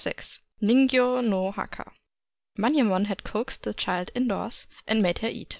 VI NINGYO NO HAKA Manyemon had coaxed the child indoors, and made her eat.